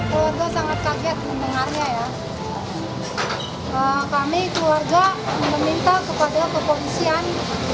keluarga sangat kaget mendengarnya ya kami keluarga meminta kepada kepolisian